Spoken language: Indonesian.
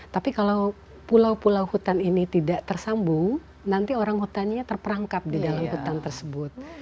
tapi kalau pulau pulau hutan ini tidak tersambung nanti orang hutannya terperangkap di dalam hutan tersebut